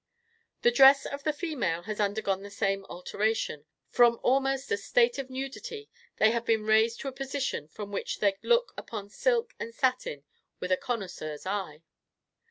The dress of the female has undergone the same alteration. From almost a state of nudity, they have been raised to a position from which they look upon silk and satin with a "connoisseur's eye."